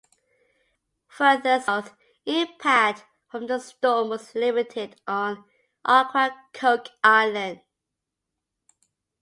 Farther south, impact from the storm was limited on Ocracoke Island.